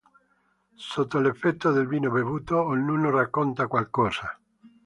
Sotto l'effetto del vino bevuto, ognuno racconta qualcosa.